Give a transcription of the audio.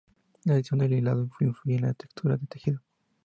La dirección del hilado influye en la textura del tejido.